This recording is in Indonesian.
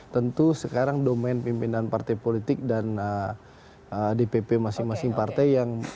tentu sekarang domen pimpinan partai politik dan dpp masing masing partai yang akan menghitung